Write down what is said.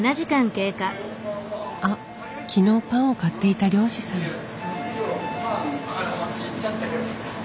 あっ昨日パンを買っていた漁師さん。